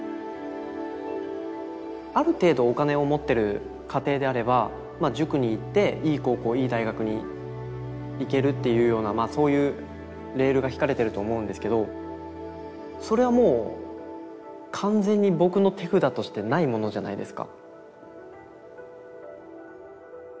ある程度お金を持ってる家庭であれば塾に行っていい高校いい大学に行けるっていうようなそういうレールがひかれてると思うんですけどそれはもう完全に僕の手札としてないものじゃないですか。